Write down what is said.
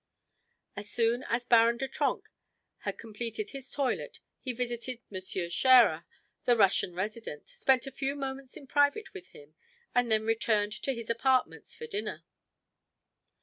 As soon as Baron de Trenck had completed his toilet, he visited M. Scherer, the Russian resident, spent a few moments in private with him and then returned to his apartments for dinner.